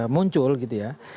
muncul gitu ya